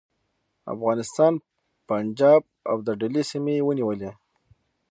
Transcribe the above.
افغانستان، پنجاب او د دهلي سیمې یې ونیولې.